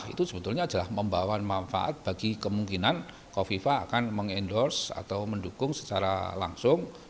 itu sebetulnya adalah membawa manfaat bagi kemungkinan kofifa akan mengendorse atau mendukung secara langsung